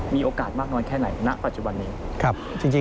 มีโอกาสมากน้อยแค่ไหนณปัจจุบันนี้